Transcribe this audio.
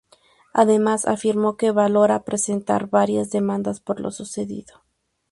Además afirmó que valora presentar varias demandas por lo sucedido.